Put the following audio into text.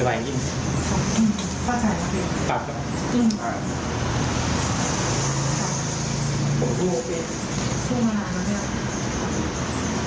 ผมไวลิงโปรดตัดสอบ